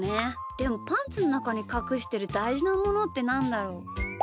でもパンツのなかにかくしてるだいじなものってなんだろう？